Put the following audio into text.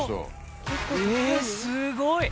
えー、すごい。